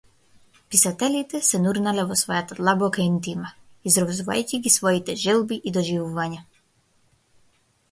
Писателите се нурнале во својата длабока интима, изразувајќи ги своите желби и доживувања.